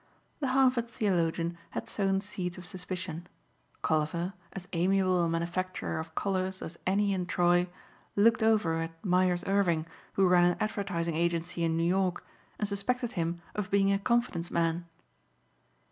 The Harvard theologian had sown seeds of suspicion. Colliver, as amiable a manufacturer of collars as any in Troy, looked over at Myers Irving who ran an advertising agency in New York and suspected him of being a confidence man.